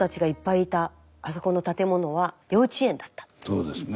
そうですね。